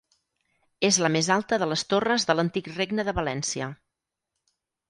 És la més alta de les torres de l'antic Regne de València.